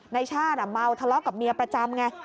ในชาติเมาทะเลาะกับเมียประจำไง